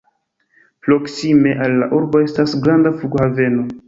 Proksime al la urbo estas granda flughaveno.